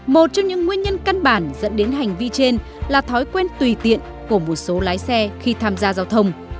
một trong những nguyên nhân căn bản dẫn đến hành vi trên là thói quen tùy tiện của một số lái xe khi tham gia giao thông